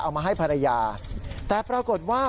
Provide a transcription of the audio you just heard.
มาให้ภรรยาแต่ปรากฏว่า